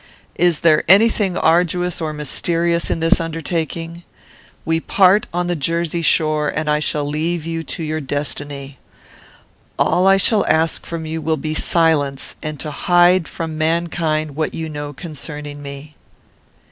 Is there any thing arduous or mysterious in this undertaking? we part on the Jersey shore, and I shall leave you to your destiny. All I shall ask from you will be silence, and to hide from mankind what you know concerning me."